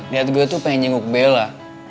lihat gue tuh pengen nyingguk bella